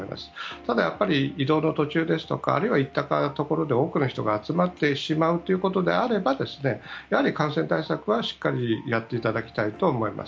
ただ、移動の途中ですとか行ったところで多くの人が集まってしまうということであればやはり感染対策はしっかりやっていただきたいと思います。